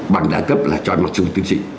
bằng đảng cấp là trò mặc dù tiến sĩ